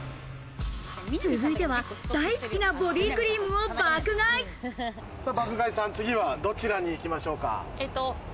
続いては大好きなボディクリ爆買いさん、次はどちらに行きましょうか？